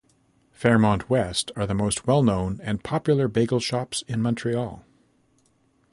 Fairmont West are the most well-known and popular bagel shops in Montreal.